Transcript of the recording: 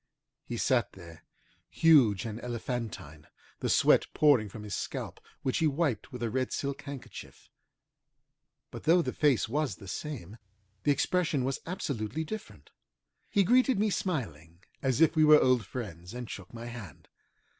He sat there, huge and elephantine, the sweat pouring from his scalp, which he wiped with a red silk handkerchief. But though the face was the same, the expression was absolutely different. He greeted me smiling, as if we were old friends, and shook my hand.